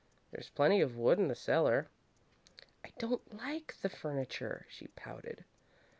There's plenty of wood in the cellar." "I don't like the furniture," she pouted.